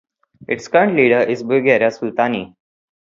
Its current leader is Bouguerra Soltani.